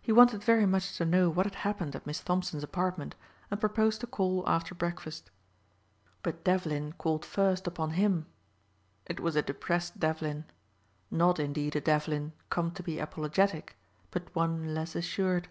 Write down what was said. He wanted very much to know what had happened at Miss Thompson's apartment and proposed to call after breakfast. But Devlin called first upon him. It was a depressed Devlin. Not indeed a Devlin come to be apologetic, but one less assured.